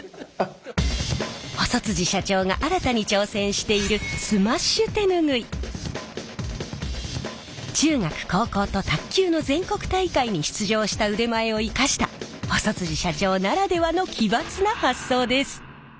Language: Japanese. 細社長が新たに挑戦している中学高校と卓球の全国大会に出場した腕前を生かした細社長ならではの奇抜な発想です！